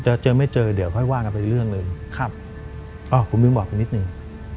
จะเจอไม่เจอเดี๋ยวค่อยว่ากันไปเรื่องเลยครับอ้าวผมยังบอกอีกนิดหนึ่ง